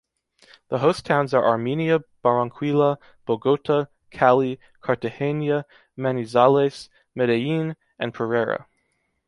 The host towns are Armenia, Barranquilla, Bogota, Cali, Cartagena, Manizales, Medellín, and Pereira.